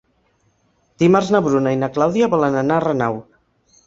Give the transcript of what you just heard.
Dimarts na Bruna i na Clàudia volen anar a Renau.